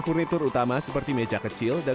furnitur utama seperti meja kecil dan